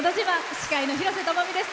司会の廣瀬智美です。